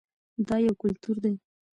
دا یو کلتور دی.